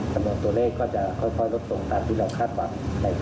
จำนวนตัวเลขก็จะค่อยลดลงตามที่เราคาดบัน